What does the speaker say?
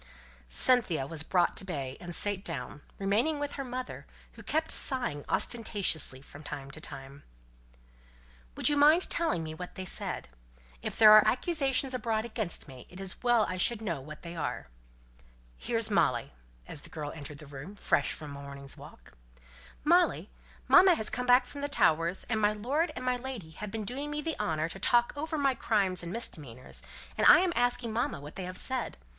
Cynthia was brought to bay, and sate down; remaining with her mother, who kept sighing ostentatiously from time to time. "Would you mind telling me what they said? If there are accusations abroad against me, it is as well I should know what they are. Here's Molly" (as the girl entered the room, fresh from a morning's walk). "Molly, mamma has come back from the Towers, and my lord and my lady have been doing me the honour to talk over my crimes and misdemeanors, and I am asking mamma what they have said.